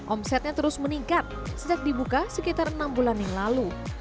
omsetnya terus meningkat sejak dibuka sekitar enam bulan yang lalu